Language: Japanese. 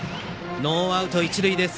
ノーアウト、一塁です。